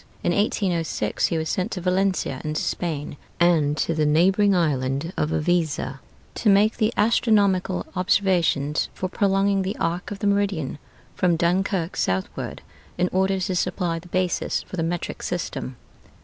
In 1806 he was sent to Valencia in Spain, and to the neighboring island of Iviza, to make the astronomical observations for prolonging the arc of the meridian from Dunkirk southward, in order to supply the basis for the metric system.